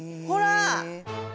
ほら！